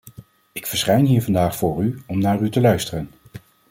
Ik verschijn hier vandaag voor u om naar u te luisteren.